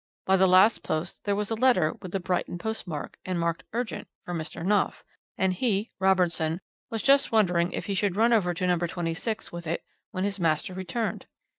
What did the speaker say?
By the last post there came a letter with the Brighton postmark, and marked 'urgent,' for Mr. Knopf, and he (Robertson) was just wondering if he should run over to No. 26 with it, when his master returned.